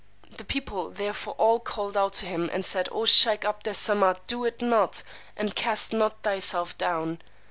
The people therefore all called out to him, and said, O sheykh 'Abd Es Samad, do it not, and cast not thyself down!